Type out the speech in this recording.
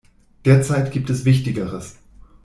Derzeit gibt es Wichtigeres.